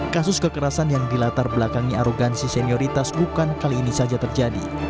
kasus kekerasan yang dilatar belakangi arogansi senioritas bukan kali ini saja terjadi